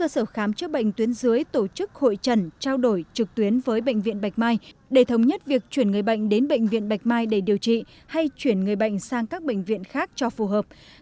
sở khám chữa bệnh tuyến dưới tổ chức hội trần trao đổi trực tuyến với bệnh viện bạch mai để thống nhất việc chuyển người bệnh đến bệnh viện bạch mai để điều trị hay chuyển người bệnh sang các bệnh viện khác cho phù hợp